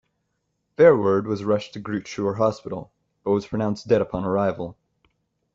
Verwoerd was rushed to Groote Schuur Hospital, but was pronounced dead upon arrival.